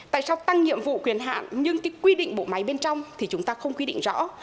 tại sao tăng nhiệm vụ quyền hạn nhưng cái quy định bộ máy bên trong thì chúng ta không quy định rõ